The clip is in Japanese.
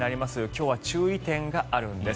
今日は注意点があるんです。